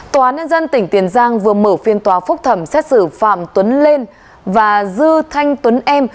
tòa án nhân dân tỉnh tiền giang vừa mở phiên tòa phúc thẩm xét xử phạm tuấn lên và dư thanh tuấn em